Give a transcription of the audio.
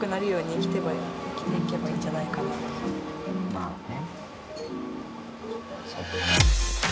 まあね。